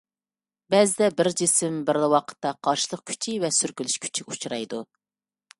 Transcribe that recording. بەزىدە بىر جىسىم بىرلا ۋاقىتتا قارشىلىق كۈچى ۋە سۈركىلىش كۈچىگە ئۇچرايدۇ.